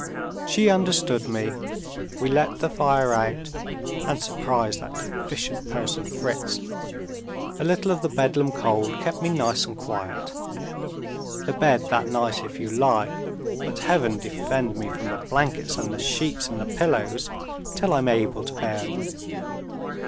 She understood me. We let the fire out and surprised that deficient person, Fritz. A little of the Bedlam cold kept me nice and quiet. The bed that night if you like but Heaven defend me from the blankets and the sheets and the pillows till I'm able to bear them!